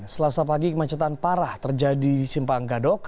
selasa pagi kemacetan parah terjadi di simpang gadok